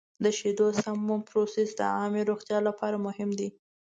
د شیدو سمه پروسس د عامې روغتیا لپاره مهم دی.